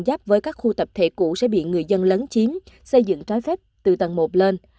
giáp với các khu tập thể cũ sẽ bị người dân lấn chiếm xây dựng trái phép từ tầng một lên